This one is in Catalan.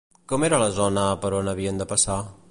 Com era la zona per on havien de passar?